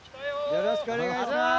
よろしくお願いします！